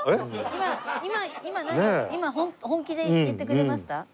今今本気で言ってくれました？